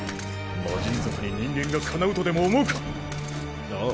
魔神族に人間がかなうとでも思うか⁉ああ。